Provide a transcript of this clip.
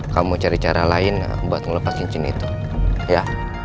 kamu cari cara lain buat ngelepas cincin itu ya